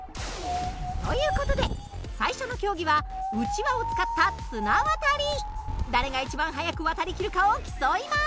という事で最初の競技はうちわを使った誰が一番早く渡りきるかを競います。